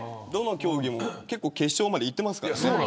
どの競技も結構、決勝までいってますからね。